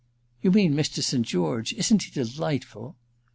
"You mean Mr. St. George—isn't he delightful?"